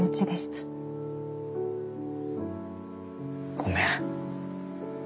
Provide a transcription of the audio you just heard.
ごめん。